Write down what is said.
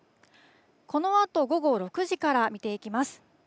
このあと午後６時から見ていきます。